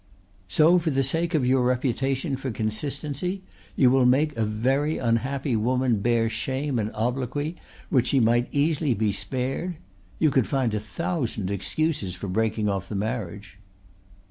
"So for the sake of your reputation for consistency you will make a very unhappy woman bear shame and obloquy which she might easily be spared? You could find a thousand excuses for breaking off the marriage."